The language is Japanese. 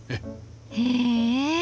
へえ。